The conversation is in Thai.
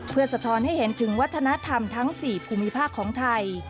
เพื่อสะท้อนให้เห็นถึงวัฒนธรรมทั้ง๔ภูมิภาคของไทย